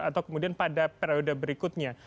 atau kemudian pada periode berikutnya